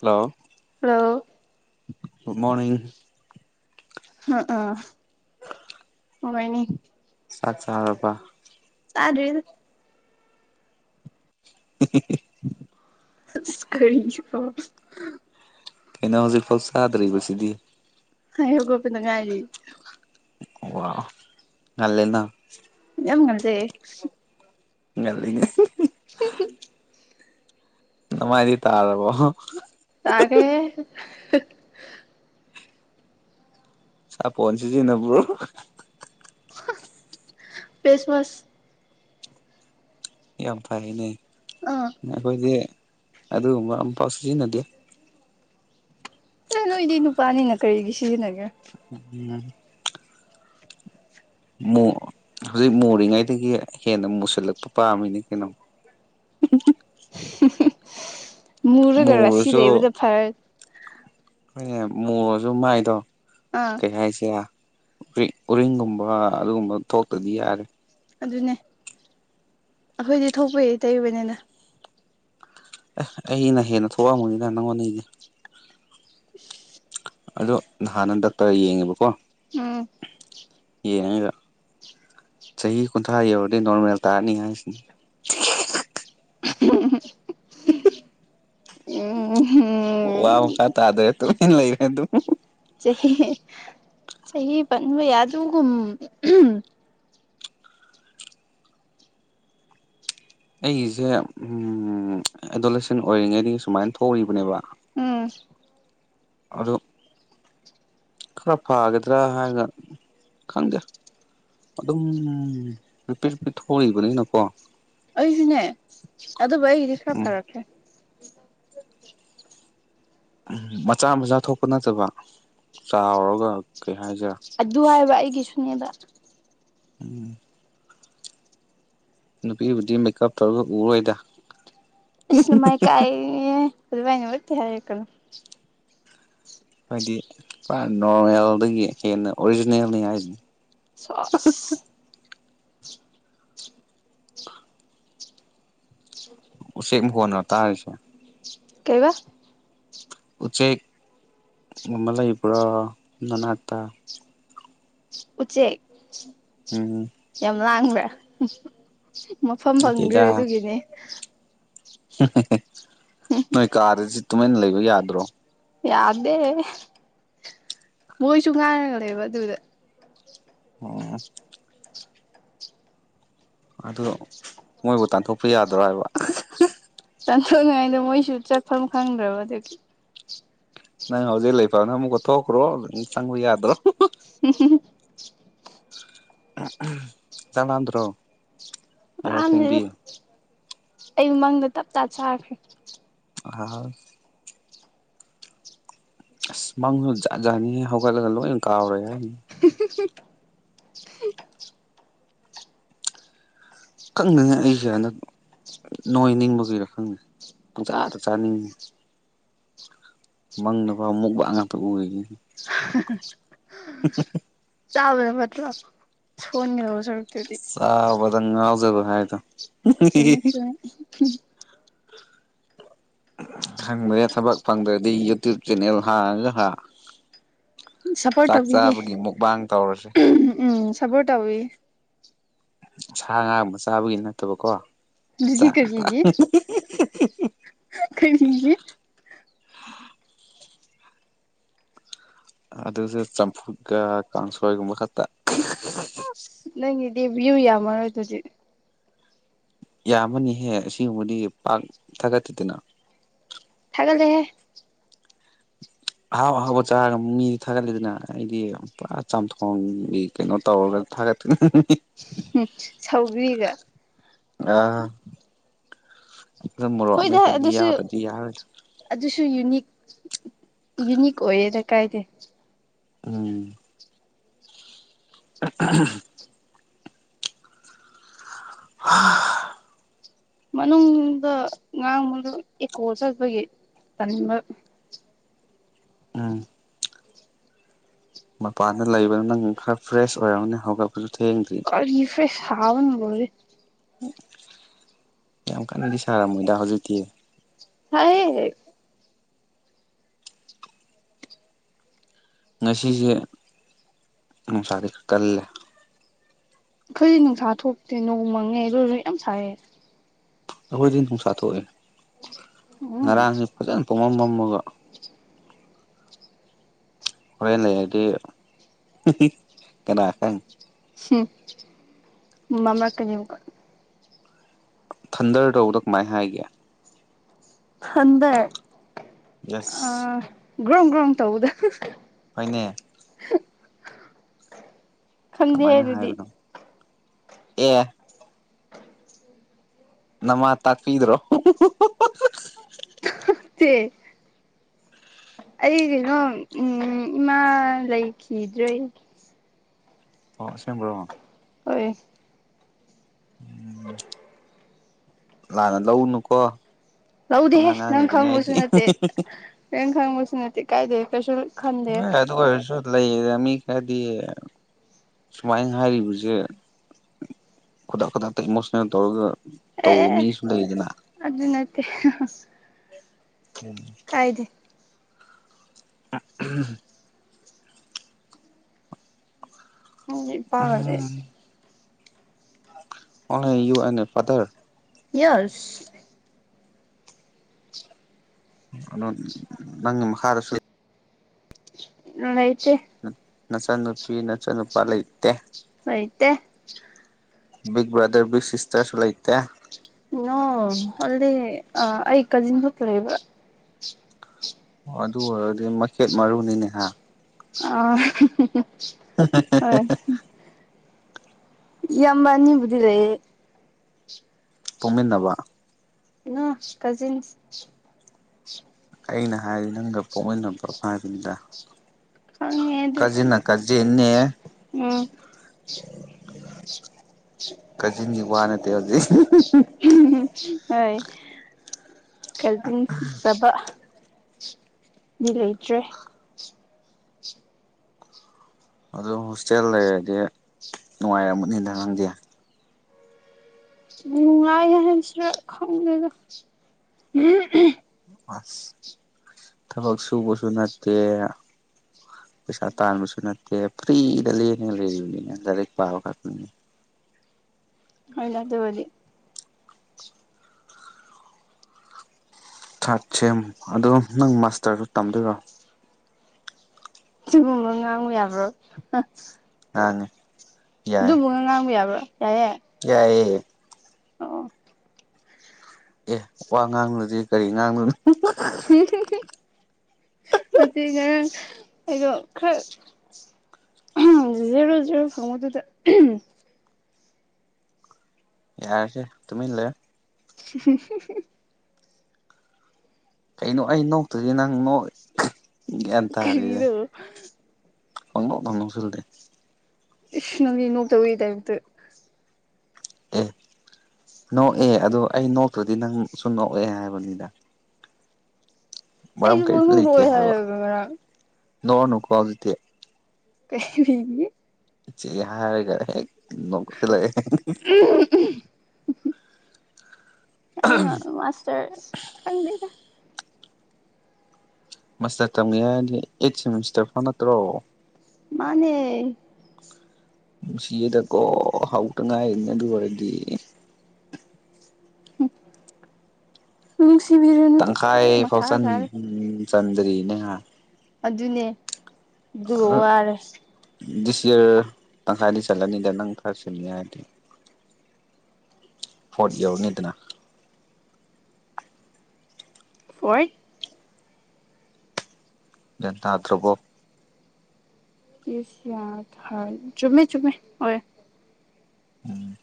Hello ꯍꯂꯥꯎꯣ ꯨ good morning [unintelligible] [unintelligible] ꯆꯥꯛ ꯆꯥꯔꯕ ꯆꯥꯗꯔꯤꯗ [unintelligible] [unintelligible] ꯀꯔꯤ [unintelligible] ꯀꯩꯅꯣ ꯍꯧꯖꯤꯛ ꯐꯥꯎ ꯆꯥꯗ꯭ꯔꯤꯕ ꯁꯤꯗꯤ ꯑꯩ ꯍꯧꯒꯣꯠꯄꯗ ꯉꯥꯏꯔꯤ ꯋꯥꯎ ꯉꯜꯂꯦ ꯅ ꯌꯥꯝ ꯉꯟꯖꯦ ꯉꯟꯂꯤꯅꯦ [unintelligible] [unintelligible] ꯅꯃꯥꯏꯗꯤ ꯇꯥꯔꯕꯣ [unintelligible] ꯇꯥꯒꯦ [unintelligible] ꯁꯥꯄꯣꯟ ꯁꯤꯖꯤꯟꯅꯕꯔꯣ [unintelligible] [unintelligible] ꯐꯦꯁꯋꯥꯁ ꯌꯥꯝ ꯐꯩꯌꯦꯅꯦ ꯑꯥ [unintelligible] ꯑꯗꯨꯒꯨꯝꯕ ꯑꯝꯐꯥꯎ ꯁꯤꯖꯤꯟꯅꯗꯦ ꯑꯦ ꯅꯣꯏꯗꯤ ꯅꯨꯄꯥꯅꯤꯅ ꯀꯔꯤꯒꯤ ꯁꯤꯖꯤꯟꯅꯒꯦ [unintelligible] [unintelligible] ꯍꯧꯖꯤꯛ ꯃꯣꯔꯤꯉꯩꯗꯒꯤ ꯍꯦꯟꯅ ꯃꯨꯁꯤꯜꯂꯛꯄ ꯄꯥꯝꯃꯤꯅꯦ ꯀꯩꯅꯣ [unintelligible] ꯃꯨꯔꯒ ꯔꯁꯤ ꯃꯨꯔꯁꯨ ꯂꯩꯕꯗꯨ ꯐꯔ ꯍꯣꯏꯅꯦ ꯃꯨꯔꯁꯨ ꯃꯥꯏꯗꯣ ꯑꯥ ꯀꯩ ꯍꯥꯏꯁꯤꯔ [unintelligible] ꯎꯔꯤꯡꯒꯨꯝꯕ ꯑꯗꯨꯒꯨꯝꯕ ꯊꯣꯛꯇꯗꯤ ꯌꯥꯔꯦ ꯑꯗꯨꯅꯦ ꯑꯈꯣꯏꯗꯤ ꯊꯣꯛꯄꯩ ꯇꯩꯕꯅꯤꯗ ꯑꯦ ꯑꯩꯅ ꯍꯦꯟꯅ ꯊꯣꯛꯑꯝꯒꯅꯤꯗ ꯅꯪꯉꯣꯟꯗꯩꯗꯤ ꯑꯗꯣ ꯅꯍꯥꯟ ꯗꯥꯛꯇꯔ ꯌꯦꯡꯉꯦꯕꯀꯣ ꯎꯝ ꯌꯦꯡꯉꯒ ꯆꯍꯤ ꯀꯨꯟꯊ꯭ꯔꯥ ꯌꯧꯔꯗꯤ ꯅꯣꯔꯃꯦꯜ ꯇꯥꯔꯅꯤ ꯍꯥꯏꯁꯤꯅꯤ [unintelligible] ꯋꯥ ꯃꯈꯥ ꯇꯥꯗ꯭ꯔꯦ ꯇꯨꯃꯤꯟ ꯂꯩꯔꯦ ꯑꯗꯨꯝ [unintelligible] ꯆꯍꯤ ꯆꯍꯤ ꯄꯟꯕ ꯌꯥꯗꯨꯒꯨꯝ [unintelligible] ꯑꯩꯒꯤꯁꯦ ꯎꯝ ꯑꯦꯗꯣꯂꯦꯁꯟ ꯑꯣꯏꯔꯤꯉꯩꯗꯒꯤ ꯁꯨꯃꯥꯏꯅ ꯊꯣꯛꯔꯤꯕꯅꯦꯕ ꯎꯝ ꯑꯗꯨ ꯈꯔ ꯐꯒꯗ꯭ꯔ ꯍꯥꯏꯔꯒ‌ ꯈꯪꯗꯦ ꯑꯗꯨꯝ ꯔꯤꯄꯤꯠ ꯔꯤꯄꯤꯠ ꯊꯣꯛꯔꯤꯕꯅꯤꯅꯀꯣ ꯑꯩꯖꯨꯅꯦ ꯑꯗꯨꯕꯨ ꯑꯩꯒꯤꯗꯤ ꯈꯔ ꯎꯝ ꯐꯔꯛꯈ꯭ꯔꯦ [unintelligible] ꯃꯆꯥ ꯃꯆꯥ ꯊꯣꯛꯄ ꯅꯠꯇꯕ ꯆꯥꯎꯔꯒ ꯀꯩ ꯍꯥꯏꯖꯤꯔ ꯑꯗꯨ ꯍꯥꯏꯕ ꯑꯩꯒꯤꯁꯨꯅꯦꯕ ꯎꯝ ꯅꯨꯄꯤꯕꯨꯗꯤ ꯃꯦꯀꯞ ꯇꯧꯔꯒ ꯎꯔꯣꯏꯗ ꯏꯁ ꯅꯃꯥꯏ [unintelligible] ꯍꯥꯏꯔꯛꯀꯅꯨ ꯅꫭꯏꯗꯤ [unintelligible] ꯅꯣꯔꯃꯦꯜꯗꯒꯤ ꯍꯦꯟꯅ ꯑꯣꯔꯤꯖꯤꯅꯦꯜꯅꯤ ꯍꯥꯏꯁꯤꯅꯤ ꯁꯥ ꯑꯁ ꯎꯆꯦꯛ ꯃꯀꫭꯟꯔ ꯇꯥꯔꯤꯁꯦ ꯀꯩꯕ ꯎꯆꯦꯛ [unintelligible] ꯂꯩꯕ꯭ꯔ ꯅꯅꯥꯛꯇ ꯎꯆꯦꯛ ꯎꯝ ꯌꯥꯝ ꯂꯥꯡꯕ꯭ꯔ ꯃꯐꯝ ꯐꯪꯗ꯭ꯔꯦ ꯅꯠꯇꯦꯗ ꯑꯗꯨꯒꯤꯅꯦ [unintelligible] ꯅꯣꯏ ꯀꯥꯗꯖꯨ ꯇꯨꯃꯤꯟ ꯂꯩꯕ ꯌꯥꯗ꯭ꯔꯣ ꯌꯥꯗꯦ ꯃꯣꯏꯁꯨ ꯉꯥꯡꯔꯒ ꯂꯩꯕ ꯑꯗꯨꯗ ꯑꯣ ꯑꯗꫭ ꯃꯣꯏꯕꯨ ꯇꯥꯟꯊꯣꯛꯄ ꯌꯥꯗ꯭ꯔꯣ ꯍꯥꯏꯕ ꯇꯥꯟꯊꯣꯛꯅꯤꯉꯥꯏꯗ ꯃꯣꯏꯁꯨ ꯆꯠꯐꯝ ꯈꯪꯗ꯭ꯔꯕ ꯑꯗꯨꯒꯤ ꯅꯪ ꯍꯧꯖꯤꯛ ꯂꯩꯐꯝꯗꫭ ꯑꯃꯨꯛꯀ ꯊꯣꯛꯈ꯭ꯔꯣ ꯆꯪꯕ ꯌꯥꯗ꯭ꯔꯣ [unintelligible] [unintelligible] [unintelligible] ꯆꯥꯛ ꯂꯥꯝꯗ꯭ꯔꯣ ꯌꯥꯍꯧ ꯂꯥꯝꯗꯦꯗ ꯊꯦꯡꯕꯤ ꯑꯩ ꯃꯪꯗ ꯇꯞꯇꯥ ꯆꯥꯈ꯭ꯔꯦ [unintelligible] ꯑꯁ ꯃꯪꯖꯨ ꯖꯥꯠ ꯖꯥꯠꯅꯤꯍꯦ ꯍꯧꯒꯠꯂꯒ ꯂꯣꯏ ꯀꯥꯎꯔꯦ [unintelligible] [unintelligible] [unintelligible] ꯈꯪꯗꯦꯅꯦ ꯑꯩꯁꯦ ꯍꯟꯗꯛ ꯅꯣꯏꯅꯤꯡꯕꯒꯤꯔ ꯈꯪꯗꯦ ꯄꯪꯆꯥꯥꯗ ꯆꯥꯅꯤꯡꯉꯤ ꯃꯪꯗ ꯐꯥꯎ ꯃꯨꯛꯕꯥꯡ ꯉꯥꯛꯇ [unintelligible] ꯆꯥꯕꯅ ꯐꯠꯇ꯭ꯔꫭ ꯁꫭꯟꯒꯗꯧ ꯁꯔꯨꯛꯇꯨꯗꯤ ꯆꯥꯕꯗ ꯉꯥꯎꯖꯕ ꯍꯥꯏꯗꯣ ꯆꯨꯝꯃ‌ꯦ ꯆ꯭ꯋ‌ꯦ [unintelligible] ꯈꯪꯗ꯭ꯔꯦ ꯊꯕꯛ ꯐꯪꯗ꯭ꯔꯗꯤ ꯌꯨꯇ꯭ꯌꯨꯞ ꯆꯦꯅꯦꯜ ꯍꯥꯡꯉꯒ ꯍꯥ ꯁꯞꯄꯣꯔꯠ ꯆꯥꯛ ꯇꯧꯕꯤꯒꯦ ꯆꯥꯕꯒꯤ ꯃꯨꯛꯕꯥꯡ ꯇꯧꯔꯁꯦ ꯎꯝ ꯁꯞꯄꯣꯔꯠ ꯇꯧꯕꯤ ꯁꯥ ꯉꯥꯝꯕ ꯆꯥꯕꯒꯤ ꯅꯠꯇꯕꯀꯣ ꯑꯗꯨꯗꯤ ꯆꯥꯛ ꯉꯥꯛꯄ ꯀꯔꯤꯒꯤ [unintelligible] ꯀꯔꯤꯒꯤ ꯑꯗꯨꯁꯨ ꯆꯝꯐꯨꯠꯀ ꯀꯥꯡꯁꯣꯏꯒꯨꯝꯕ ꯈꯛꯇ ꯑꯁ ꯅꯪꯒꯤꯗꯤ ꯕ꯭ꯌꯨ ꯌꯥꯝꯃꯔꯣꯏ ꯑꯗꯨꯗꯤ ꯌꯥꯝꯃꯅꯤꯍꯦ ꯑꯁꯤꯒꯨꯝꯕꯗꯤ ꯄꯥꯛ ꯊꯥꯒꯠꯇꯤꯗꯅ ꯊꯥꯒꯠꯂ‌ꯦꯍ‌ꯦ ꯑꯍꯥꯎ ꯑꯍꯥꯎꯕ ꯆꯥꯔꯒ ꯃꯤꯗꯤ ꯊꯥꯒꯠꯂꯤꯗꯅ ꯑꯩꯗꯤ ꯄꯨꯔꯥ ꯆꯥꯝꯊꯣꯡꯒꯤ ꯀꯩꯅꯣ ꯇꯧꯔꯒ ꯊꯥꯒꯠꯇ‌ꯣꯏꯅꯤ ꯁꯧꯒ꯭ꯔꯤꯒ ꯑꯥ ꯑꯗꯨ ꯃ‌ꯣꯔ‌ꯣꯛ ꯍꯣꯏꯗ ꯑꯃ‌ꯦꯠꯄꯗꯨꯗꯤ ꯑꯗꯨꯁꯨ ꯌꯥꯎꯗ꯭ꯔꯗꯤ ꯌꯥꯔꯔ‌ꯣꯏꯗ ꯑꯗꯨꯁꯨ ꯌꯨꯅꯤꯛ ꯌꯨꯅꯤꯛ ꯑꯣꯏꯌꯦꯗ ꯀꯥꯏꯗꯦ ꯎꯝ [inaudible] ꯍꯥ ꯃꯅꯨꯡꯗ ꯉꯥꯡꯕꯗ‌ꯣ ꯑꯦꯀꯣ ꯆꯠꯄꯒꯤ ꯇꯟꯕ ꯎꯝ ꯃꯄꯥꯟꯗ ꯂꯩꯕꯅ ꯅꯪ ꯈꯔ ꯐ꯭ꯔꯦꯁ ꯑꯣꯏꯔꯝꯒꯅꯤ ꯍꯧꯒꯠꯄꯖꯨ ꯊꯦꯡꯗ꯭ꯔꯤ ꯀꯔꯤꯒꯤ ꯐ꯭ꯔ‌ꯦꯁ ꯁꯥꯕꯅ ꯂ‌ꯦꯏꯔ‌ꯦ ꯌꯥꯝ ꯀꯟꯅꯗꯤ ꯁꯥꯔꯝꯃꯣꯏꯗ ꯍꯧꯖꯤꯛꯇꯤ ꯁ‌ꯥꯏꯍ‌ꯦꯛ ꯉꯁꯤꯖ‌ꯦ ꯅꯨꯡꯁꯥꯗꯤ ꯈꯔ ꯀꯜꯂꯦ ꯑꯈꯣꯏꯗꯤ ꯅꯨꯡꯁꯥ ꯊꯣꯛꯇꯦ ꯅꯣꯡ ꯃꯪꯉꯦ ꯑꯗꯨꯗꯨꯅ ꯌꯥꯝ ꯁꯥꯏꯌꯦ ꯑꯩꯈꯣꯏꯗꯤ ꯅꯨꯡꯁꯥ ꯊꯣꯛꯑꯦ ꯎꯝ ꯉꯔꯥꯡꯉꯤ ꯐꯖꯅ ꯄꯨꯃꯝ ꯃꯝꯃꯒ ꯍ‌ꯣꯔ‌ꯦꯟ ꯂꯩꯔꯗꯤ ꯀꯅꯥ ꯈꯪꯅꯤ ꯍꯨꯝ ꯃꯝꯔꯛꯀꯅꯤ ꯑꯃꯨꯛꯀ ꯊꯟꯗ꯭ꯔ ꯇꯧꯕꯗ‌ꯣ ꯀꯃꯥꯏ ꯍꯥꯏꯒꯦ ꯊꯟꯗ꯭ꯔ ꯌꯦꯁ ꯑꯥ ꯒ꯭ꯔꯣꯡ ꯒ꯭ꯔꯣꯡ ꯇꯧꯕꯗ‌ ꯍ‌ꯣꯏꯅꯦ [inaudible] ꯀꯃꯥꯏꯅ ꯑꯗꯨꯗꯤ ꯍꯥꯏꯕꯅꯣ ꯑꯦ ꯅꯃꯥ ꯇꯥꯛꯄꯤꯗꯔꯣ ꯇꯦ ꯑꯩ ꯀꯩꯅꯣ ꯎꯝ ꯏꯃꯥ ꯂꯩꯈꯤꯗ꯭ꯔꯦ ꯑꯣ ꯑꯁ‌ꯦꯡꯕꯔꯣ ꯍꯣꯏ ꯂꯥꯟꯅ ꯂꯧꯅꯨꯀꯣ ꯂꯧꯗꯦꯍ‌ꯦ ꯄꯉꯥꯡ ꯅꯪ ꯉꯥꯡꯂꯤꯕꯅꯦ ꯈꯪꯕꯁꯨ ꯑꯩꯗꯤ ꯅꯠꯇꯦ ꯅꯪ ꯈꯪꯕꯁꯨ ꯅꯠꯇꯦ ꯀꯥꯏꯗꯦ ꯀꯩꯁꯨꯜ ꯍ‌ꯣꯏ ꯑꯗꯨ ꯑꯣꯏꯔꯁꯨ ꯂꯩꯗ ꯃꯤ ꯈꯔꯗꯤ ꯁꯨꯃꯥꯏ ꯍꯥꯏꯔꯤꯕꯖ‌ꯦ ꯈꯨꯗꯛ ꯈꯨꯗꯛꯇ ꯏꯃꯣꯁꯅꯦꯜ ꯇꯧꯔꯒ ꯑꯦ ꯑꯦ ꯇꯧꯕ ꯑꯦ ꯃꯤꯁꯨ ꯂꯩꯗꯅ ꯑꯗꯨ ꯅꯠꯇꯦ ꯎꯝ ꯑꯩꯗꯤ ꯑ ꯎꯝ ꯎꯝ [unintelligible] only you and your father yes ꯑꯗꯨ ꯅꯪꯒꯤ ꯃꯈꯥꯗꯁꯨ ꯂꯩꯇꯦ ꯅꯆꯟꯅꯨꯄꯤ ꯅꯆꯟꯅꯨꯄꯥ ꯂꯩꯇꯦ꯫ ꯂꯩꯇ‌ꯦ꯫ ꯕꯤꯛ ꯕ꯭ꯔꯗꯔ ꯕꯤꯛ ꯁꯤꯁꯇꯔꯁꯨ ꯂꯩꯇꯦ꯫ ꯅꫭ ꯑꫭꯟꯂꯤ ꯑꯩ ꯀꯖꯤꯟ ꯈꯛꯇ ꯂꯩꯕ꯫ ꯑꯣ ꯑꯗꯨ ꯑꯣꯏꯔꯗꯤ ꯃꯩꯈ‌ꯦꯠ ꯃꯔꯨꯅꯤꯅꯦ ꯍꯥ ꯑꯥ ꯍ‌ꯦ ꯍꯦ ꯍ‌ꯦ꯫ ꯑꯦ ꯏꯌꯥꯝꯕ ꯑꯅꯤꯕꯨꯗꯤ ꯂꯩꯌꯦ꯫ ꯄꫭꯛꯃꯤꯟꯅꯕ꯫ ꯅꫭ ꯀꯖꯤꯟꯁ꯫ ꯑꯩꯅ ꯍꯥꯏꯗꯤ ꯅꯪꯒ ꯄꯣꯛꯃꯤꯟꯅꯕ ꯍꯥꯏꯕꯅꯤꯗ꯫ ꯈꯪꯉꯦ ꯑꯗꯨ ꯀꯖꯤꯟꯅ ꯀꯖꯤꯟꯅ‌ꯦ꯫ ꯎꯝ ꯀꯖꯤꯟꯒꯤ ꯋꯥ ꯅꯠꯇꯦ ꯍꯧꯖꯤꯛ꯫ ꯎꯝ ꯍꯣꯏ ꯀꯖꯤꯟꯁ ꯇꯕ꯫ ꯗꯤ ꯂꯩꯇ꯭ꯔꯦ꯫ ꯑꯗꯣ ꯍꯣꯁꯇꯦꯜ ꯂꯩꯔꯗꯤ ꯅꯨꯡꯉꯥꯏꯔꯝꯒꯅꯤꯅ‌ꯦ ꯅꯪꯗꯤ ꯅꯨꯡꯉꯥꯏ ꯍꯥꯏꯁꯤꯔ ꯈꯪꯗ‌ꯦꯗ꯫ [unintelligible] ꯑꯁ ꯊꯕꯛ ꯁꯨꯕꯁꯨ ꯅꯠꯇ‌ꯦ꯫ ꯄꯩꯁꯥ ꯇꯥꯟꯕꯁꯨ ꯅꯠꯇꯦ ꯐ꯭ꯔꯤꯗ ꯂ‌ꯦꯡꯗ ꯂꯩꯔꯤꯅꯤꯅ‌ꯦ ꯂꯥꯏꯔꯦꯛ ꯄꯥꯕ ꯈꯛꯇꯅꯤ꯫ ꯍꫭꯏ ꯂꯗꯨꯕꯨꯗꯤ꯫ ꯊ꯭ꯔꯠ ꯁꯦꯝ ꯑꯗꯣ ꯅꯪ ꯃꯥꯁꯇ꯭ꯔꯁꯨ ꯇꯝꯗꯣꯏꯔꯣ꯫ ꯁꯤꯒꯨꯝꯕ ꯉꯥꯡꯕ ꯌꯥꯕ꯭ꯔꯣ [unintelligible] ꯉꯥꯡꯉ‌ꯦ꯫ ꯑꯗꯨꯕꯨ ꯉꯥꯡꯕ ꯌꯥꯕ꯭ꯔꯣ ꯌꯥꯏꯌ‌ꯦ꯫ ꯌꯥꯏꯌꯦ꯫ ꯑꯣ꯫ ꯑꯦ ꯋꯥ ꯉꯥꯡꯂꯨꯔꯗꯤ ꯀꯔꯤ ꯉꯥꯡꯂꯨ꯫ ꯍꯨꯡꯍꯨꯡꯍꯨꯡ ꯅꯠꯇ‌ꯦ ꯉꯔꯥꯡ ꯑꯩꯗꯣ ꯈꯔ꯫ ꯑꯍꯝ ꯖꯦꯔꯣ ꯖꯦꯔꯣ ꯐꯪꯕꯗꯨꯗ ꯑꯍꯝ꯫ ꯌꯥꯔꯦꯁꯦ ꯇꯨꯃꯤꯟ ꯂꯩꯌ‌ꫭ꯫ [unintelligible] ꯀꯩꯅꯣ ꯑꯩ ꯅꯣꯛꯇ꯭ꯔꯗꯤ ꯅꯪ ꯅꫭꯛꯑꯦ꯫ ꯀꯔꯤꯅꫭ꯫ ꯄꯪꯅꫭꯛꯇ ꯅꫭꯛꯁꯜꯂ‌ꯦ꯫ ꯏꯁ ꯅꯪꯗꯤ ꯅꯣꯛꯇꯕꯩ ꯇꯥꯏꯞꯇ꯫ ꯑꯦ ꯅꯣꯛꯑꯦ ꯑꯗꯨ ꯑꯩ ꯅꯣꯛꯇ꯭ꯔꯗꯤ ꯅꯪꯁꯨ ꯅꯣꯛꯑꯦ ꯍꯥꯏꯕꯅꯤꯗ꯫ ꯃꯔꯝ ꯑꯩꯁꯨ ꯀꯔꯤꯇ ꯄꯪꯅꯣꯛ ꯂꯩꯇꯦ ꯅꯣꯛꯑꯦ ꯍꯥꯏꯕ ꯍꯥꯏꯔꯒ ꯉꯔꯥꯡ ꯅꯣꯛꯑꯅꯨꯀꯣ ꯍꯧꯖꯤꯛꯇꯤ꯫ ꯀꯩꯔꯤꯒꯤ ꯆꯤ ꯍꯥꯏꯔꯒ ꯍ‌ꯦꯛ꯫ ꯎꯝ꯫ ꯑꯩꯅ ꯃꯥꯁꯇꯔ ꯈꯪꯗ‌ꯦꯗ꯫ ꯃꯥꯁꯇꯔ ꯇꯝꯒ‌ꯦ ꯍꯥꯏꯔꯗꯤ ꯑꯩꯠ ꯁꯦꯃꯤꯟꯁꯇꯔ ꯐꯥꯎ ꯅꯠꯇ꯭ꯔꯣ꯫ ꯃꯥꯅꯦ꯫ ꯅꯨꯡꯁꯤꯌꯦꯗꯀꯣ ꯍꯧꯇ ꯉꯥꯏꯔꯅ‌ꯦ ꯑꯗꯨ ꯑꯣꯏꯔꯗꯤ꯫ ꯎꯝ ꯅꯨꯡꯁꯤꯕꯤꯔꯅꯨ ꯃꯊꯥ ꯁꯥꯔ‌ꯦ꯫ ꯎꯝ ꯆꯟꯗꯔꯤꯅꯦ ꯍꯥ꯫ ꯑꯗꯨꯅꯦ ꯒꯨꯔꯨ ꯋꯥꯔꯦ꯫ ꯗꯤꯁ ꯌꯔ ꯅꯪ ꯇꯪꯈꯥꯏꯗꯤ ꯆꯜꯂꯥꯅꯤꯗ ꯅꯪ ꯀꯔꯁꯨꯅꯤꯌꯥꯅꯤ꯫ ꯐꫭꯠ ꯌꯧꯔꯅꯤꯗꯅ꯫ ꯑꫭꯏꯠ꯫ ꯒꯤꯌꯥꯟ ꯇꯥꯗꯥꯔꯕꯔꯣ ꯌꯦ ꯌꯥꯗꯔ ꯆꯨꯝꯃꯦ ꯆꯨꯝꯃꯦ ꯑꯣ ꯎꯝ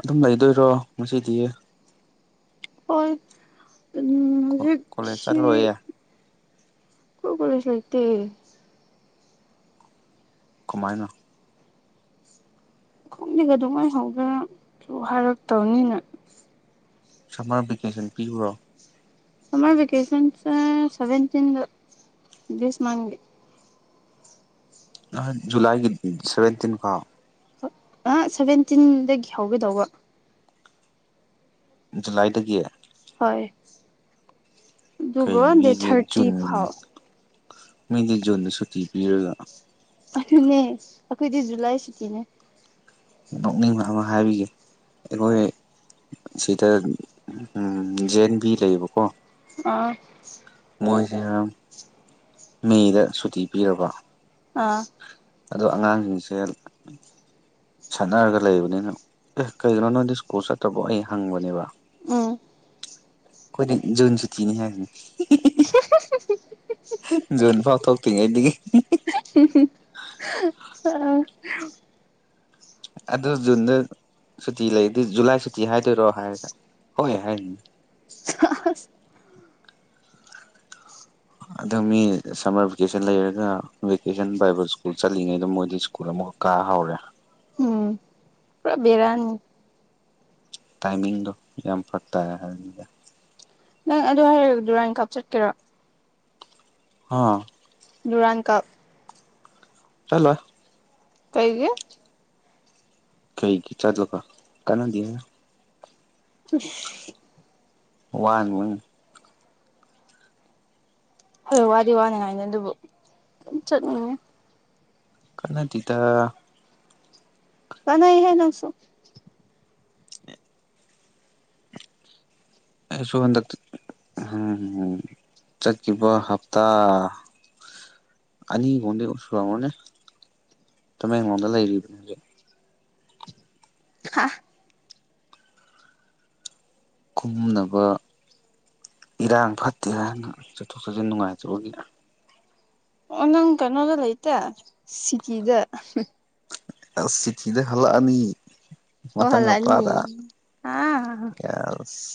ꯑꯗꯨꯝ ꯂꯩꯗꯣꯏꯔꯣ ꯉꯁꯤꯗꯤ ꯑꯣ ꯎꯝ ꯀꯣꯂꯦꯖ ꯆꯠꯂꯣꯏꯌꯦ ꯍꯧꯖꯤꯛꯁꯤ ꯑꯩꯈꯣꯏ ꯀꯣꯂꯦꯁ ꯂꯩꯇꯦ ꯀꯃꯥꯏꯅ ꯈꯣꯡꯗꯤꯒ ꯑꯗꯨꯉꯥꯏꯍꯧꯗ꯭ꯔꯁꯨ ꯍꯥꯏꯔꯛꯇꯕꯅꯤꯅ ꯁꯝꯃꯔ ꯚꯦꯀꯦꯁꯟ ꯄꯤꯕ꯭ꯔꯣ ꯁꯃꯥꯏ ꯕꯦꯀꯦꯁꯟꯁ ꯁꯦꯚꯟꯇꯤꯟ ꯗꯁ ꯃꯥꯡꯒꯤ ꯖꯨꯂꯥꯏꯒꯤꯠ ꯁꯚꯦꯟꯇꯤꯟ ꯐꯥꯎ ꯍꯦꯏ ꯑ ꯁꯚꯦꯟꯇꯤꯟꯗꯒꯤ ꯍꯧꯒꯗꯧꯕ ꯖꯨꯂꯥꯏꯗꯒꯤ ꯍꯣꯏ ꯀꯩ ꯑꯗꯨꯒꯒ ꯗꯦ ꯃꯤꯗꯤ ꯊꯔꯇꯤ ꯖꯨꯟ ꯐꯥꯎ ꯃꯤꯗꯤ ꯖꯨꯣꯟꯗ ꯁꯨꯇꯤ ꯄꯤꯔꯒ ꯑꯗꯨꯅꯦ ꯑꯩꯈꯣꯏꯗꯤ ꯖꯨꯂꯥꯏ ꯁꯨꯇꯤꯅꯦ ꯅꯣꯛꯅꯤꯡꯕ ꯑꯃ ꯍꯥꯏꯕꯤꯒ ꯑꯩꯈꯣꯏ ꯁꯤꯗ ꯖꯦꯟ ꯕꯤ ꯂꯩꯌꯦꯕꯀꯣ ꯑ ꯃꯣꯏꯁꯤꯅ ꯃꯦꯗ ꯁꯨꯇꯤ ꯄꯤꯔꯕ ꯑꯥ ꯑꯗꯣ ꯑꯉꯥꯡꯁꯤꯡꯁꯦ ꯁꯥꯟꯅꯔꯒ ꯂꯩꯕꯅꯤꯅ ꯑꯦ ꯀꯩꯒꯤꯅꯣ ꯅꯣꯏꯗꯤ ꯁ꯭ꯀꯨꯜ ꯆꯠꯇ꯭ꯔꯕꯣ ꯑꯩ ꯍꯪꯕꯅꯦꯕ ꯎꯝ ꯑꯩꯈꯣꯏꯗꯤ ꯖꯨꯟ ꯆꯨꯤꯅꯤ ꯍꯥꯏꯕꯅꯤ [unintelligible] ꯖꯨꯟ ꯐꯥꯎ ꯊꯣꯛꯇ꯭ꯔꯤꯉꯩꯗꯒꯤ ꯑ ꯑꯗꯨ ꯖꯨꯟꯗ ꯁꯨꯇꯤ ꯂꯩꯗꯤ ꯖꯨꯂꯥꯏ ꯁꯨꯇꯤ ꯍꯥꯏꯗꯣꯏꯔꯣ ꯍꯥꯏꯔꯒ ꯍꯣꯏ ꯍꯥꯏꯅꯤꯅꯦ [unintelligible] ꯑꯗꯣ ꯃꯤ ꯁꯝꯃꯔ ꯚꯦꯀꯦꯁꯟ ꯂꯩꯔꯒ ꯚꯦꯀꯦꯁꯟ ꯕꯥꯏꯕꯜ ꯁ꯭ꯀꯨꯜ ꯆꯠꯂꯤꯉꯩꯗꯣ ꯃꯣꯏꯗꯤ ꯁ꯭ꯀꯨꯜ ꯑꯃ ꯀꯥ ꯍꯧꯔꯦ ꯎꯝ ꯄꯨꯔꯥ ꯕꯦꯔꯥꯅꯤ ꯇꯥꯏꯃꯤꯡꯗ ꯌꯥꯝ ꯐꯔꯛꯇꯥ ꯍꯥꯏꯝꯅꯤꯗ ꯅꯪ ꯑꯗꯨ ꯍꯥꯏꯔ ꯗꯨꯔꯥꯟ ꯀꯥꯞ ꯆꯠꯀꯦꯔꯣ ꯑꯥ ꯗꯨꯔꯥꯟ ꯀꯥꯞ ꯆꯂꫭꯏ ꯀꯩꯒꯤ ꯀꯩꯒꯤ ꯆꯥꯗꯕ ꯀꯅꯥꯗꯦ [unintelligible] ꯋꯥꯟ ꯋꯟ ꯍꯣꯏ ꯋꯥꯗꯤ ꯋꯥꯅꯤꯉꯥꯏꯅꯦ ꯑꯗꯨꯕꯨ ꯗꯨꯝ ꯆꯠꯅꯤꯡꯉꯦ ꯀꯟꯅꯗꯤꯗ ꯀꯟꯅꯩꯍꯦ ꯅꯪꯁꯨ ꯑꯩꯁꯨ ꯍꯟꯗꯛ ꯎꯝ ꯆꯠꯈꯤꯕ ꯍꯞꯇꯥ ꯑꯅꯤ [unintelligible] ꯇꯃꯦꯡꯂꯣꯡꯗ ꯂꯩꯔꯤ [unintelligible] ꯍꯥ ꯈꯨꯝꯅꯕ ꯏꯔꯥꯡ ꯐꯠꯇꯦ ꯍꯥꯏꯅ ꯆꯠꯊꯣꯛ ꯆꯁꯤꯟ ꯅꯨꯡꯉꯥꯏꯇꯕꯒꯤꯅ ꯑꯣ ꯅꯪ ꯀꯩꯅꯣꯗ ꯂꯩꯇꯦ ꯁꯤꯇꯤꯗ ꯑ ꯁꯤꯊꯤꯗ ꯍꯜꯂꯛꯑꯅꯤ ꯑꯣ ꯃꯊꯪ ꯍꯜꯂꯛꯑꯅꯤ ꯍꯞꯇꯥꯗ ꯑꯥ ꯌꯦꯁ